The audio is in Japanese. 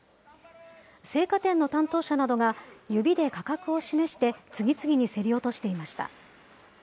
生花店の担当者などが、指で価格を示して、次々に競り落としていました。